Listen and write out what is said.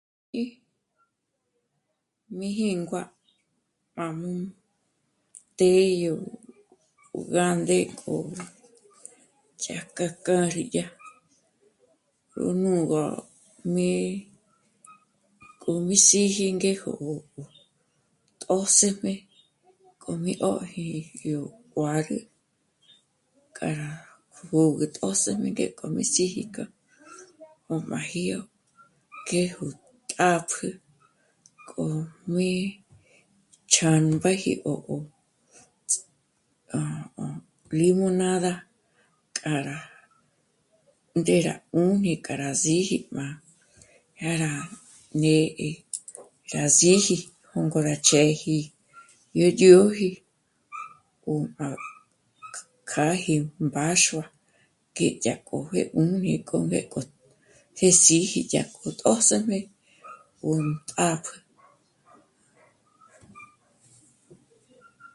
Mí jíngua rá jmū́'ū té yó gánde k'o ch'ájk'a k'a kja rí dyá, rú nú'ugö m'é'e k'o bí síji ngéjo ó tjṓsëjme k'o mí 'öjiri yó juârü k'a rá pjö̀gü tjṓsëjme ngéko mí síji k'a 'ó m'a jíyo ngé gú tàpjü k'o mí ch'âmbéji yó... ó... ó... limonada k'a rá ngéra 'ùni k'a rá síji m'a... dyà rá né'e dyà síji jôngo rá chêji nú jyóji ó... m'a kjáji mbáxua ngé dyá jókò 'ùni k'o ngé k'o gé síji dyá k'u tjṓsëjme 'ón tàpjü